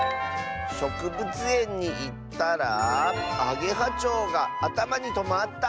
「しょくぶつえんにいったらあげはちょうがあたまにとまった！」。